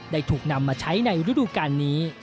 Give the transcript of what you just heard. ถูกนำมาใช้ในฤดูการนี้